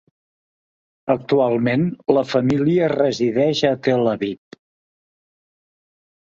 Actualment la família resideix a Tel Aviv.